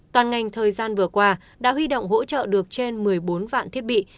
toàn ngành thời gian vừa qua đã huy động hỗ trợ được trên một mươi bốn vạn thiết bị